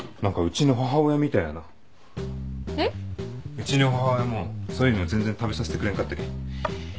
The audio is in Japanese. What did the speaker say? うちの母親もそういうの全然食べさせてくれんかったけん。